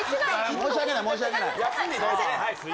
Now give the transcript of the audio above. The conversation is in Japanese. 申し訳ない、申し訳ない。